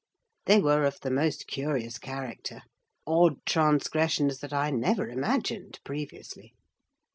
They were of the most curious character: odd transgressions that I never imagined previously.